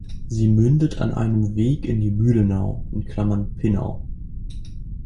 Sie mündet an einem Weg in die Mühlenau (Pinnau).